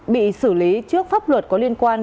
bị xử lý trước pháp luật có liên quan